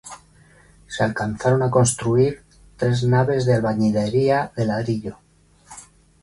Se alcanzaron a construir tres naves de albañilería de ladrillo.